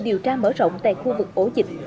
điều tra mở rộng tại khu vực ổ dịch